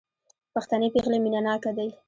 پښتنې پېغلې مينه ناکه دي